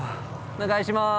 お願いします。